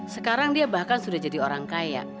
sekarang dia bahkan sudah jadi orang kaya